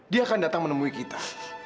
dia akan datang menemui kita